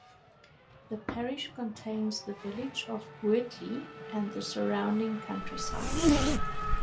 The parish contains the village of Wortley and the surrounding countryside.